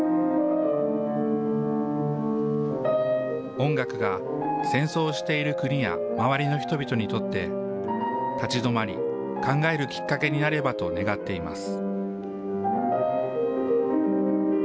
音楽が、戦争をしている国や周りの人々にとって、立ち止まり、考えるきっかけになればと願っています。